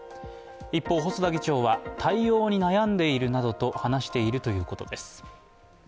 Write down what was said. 一方、細田議長は対応に悩んでいるなどと話しているということです。